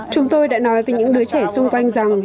chúng tôi đã nói với những đứa trẻ xung quanh rằng